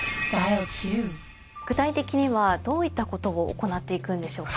具体的にはどういったことを行っていくんでしょうか？